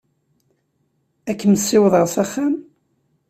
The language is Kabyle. Ad kem-ssiwḍeɣ s axxam?